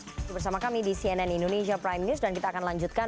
bersama kami di cnn indonesia prime news dan kita akan lanjutkan